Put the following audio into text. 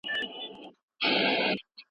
دلته بېلابېل قومونه له پېړیو راهیسې ژوند کوي.